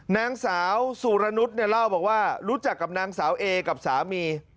นางสาวสุรนุษย์เนี่ยเล่าบอกว่ารู้จักกับนางสาวเอกับสามี